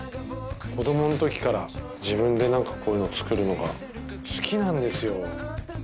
子供のときから自分でこういうの作るのが好きなんですよ。